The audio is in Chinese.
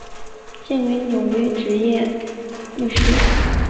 现为纽约执业律师。